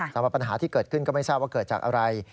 สำหรับปัญหาที่เกิดขึ้นก็ไม่ทราบว่าเกิดจากอะไร